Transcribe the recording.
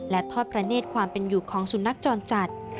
และทอดพระเนธความเป็นอยู่ของสุนัขจรจัด